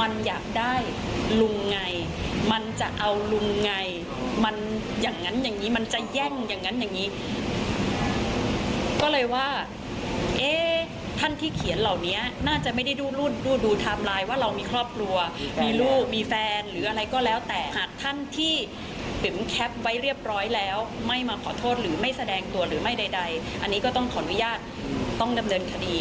บ้างจะเอาลุงไงมันแย่งอย่างงี้ก็เลยว่าท่านที่เขียนเหล่านี้น่าจะไม่ได้ดูไลน์ว่าเรามีครอบครัวมีลูกมีแฟนหรืออะไรก็แล้วแต่ถ้าท่านที่ปิ๋มแคปไว้เรียบร้อยแล้วไม่มาขอโทษหรือไม่แสดงตัวหรือไม่ใดอันนี้ก็ต้องขออนุญาตต้องดำเนินคดี